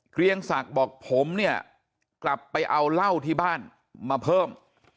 เกรียงศักดิ์บอกผมเนี่ยกลับไปเอาเหล้าที่บ้านมาเพิ่ม